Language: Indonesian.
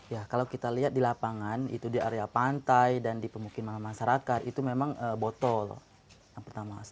ya kalau kita lihat di lapangan itu di area pantai dan di pemukiman masyarakat itu memang botol yang pertama